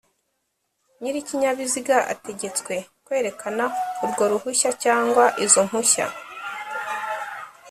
Nyir'ikinyabiziga ategetswe kwerekana urwo ruhushya cyangwa izo mpushya